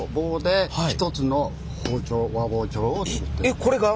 えっこれが？